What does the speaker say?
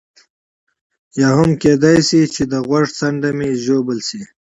یا هم کېدای شي چې د غوږ څنډه مې ژوبل شي.